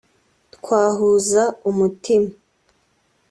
twahuza umutima